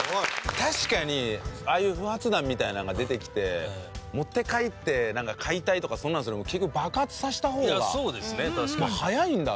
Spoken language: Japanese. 確かにああいう不発弾みたいなのが出てきて持って帰ってなんか解体とかそんなのするよりも結局爆発させた方が早いんだろうね。